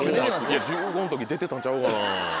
１５歳の時出てたんちゃうかな？